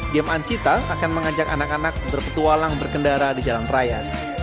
game ancita akan mengajak anak anak berpetualang berkendara di jalan raya